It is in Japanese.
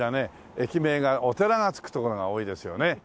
駅名がお寺が付く所が多いですよね。